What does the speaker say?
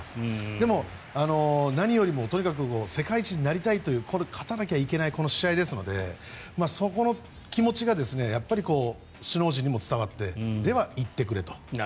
でも、何よりもとにかく世界一になりたいという勝たなきゃいけない試合ですのでそこの気持ちがやっぱり首脳陣にも伝わってでは、行ってくれと。